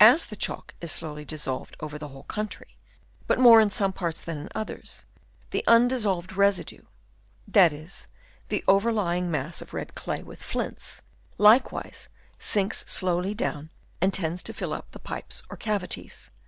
As the chalk is slowly dissolved over the whole country, but more in some parts than in others, the undissolved residue — that is the over lying mass of red clay with flints, — likewise sinks slowly down, and tends to fill up the pipes or cavities.